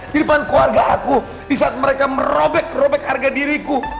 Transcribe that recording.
di depan keluarga aku di saat mereka merobek robek harga diriku